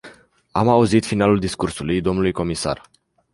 Am auzit finalul discursului dlui comisar.